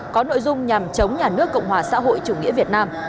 có nội dung nhằm chống nhà nước cộng hòa xã hội chủ nghĩa việt nam